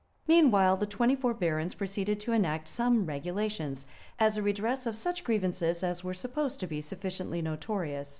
Meanwhile the twenty four barons proceeded to enact some regulations, as a redress of such grievances as were supposed to be sufficiently notorious.